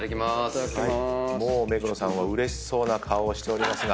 もう目黒さんはうれしそうな顔をしておりますが。